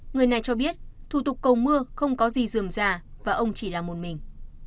người này cho biết thủ tục cầu mưa không có gì dườm già và ông chỉ là một mình